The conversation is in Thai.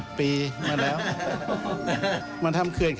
ก็ตัวการขออนุญาตเข้าไปนี่